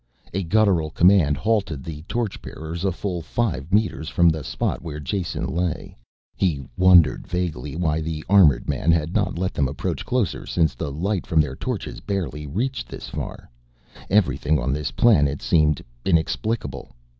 A guttural command halted the torch bearers a full five meters from the spot where Jason lay. He wondered vaguely why the armored man had not let them approach closer since the light from their torches barely reached this far: everything on this planet seemed inexplicable.